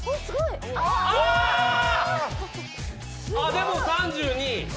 でも、３２位。